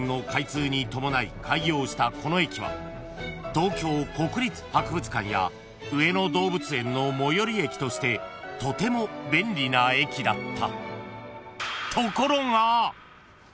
［東京国立博物館や上野動物園の最寄り駅としてとても便利な駅だった］